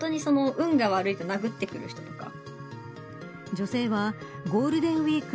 女性は、ゴールデンウイーク